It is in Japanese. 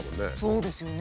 そうですよね。